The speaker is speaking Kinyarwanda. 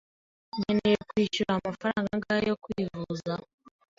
Nkeneye kwishyura amafaranga angahe yo kwivuza?